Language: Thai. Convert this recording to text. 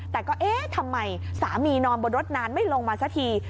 แต่ก็เอ๊ะทำไมสามีนอนบนรถนานไม่ลงมาสักที